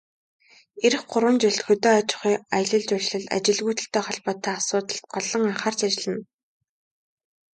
Ирэх гурван жилд хөдөө аж ахуй, аялал жуулчлал, ажилгүйдэлтэй холбоотой асуудалд голлон анхаарч ажиллана.